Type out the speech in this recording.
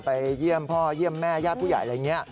ไปเยี่ยมพ่อเยี่ยมแม่ญาติผู้ใหญ่อะไรอย่างนี้